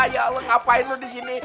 ya allah ngapain lu disini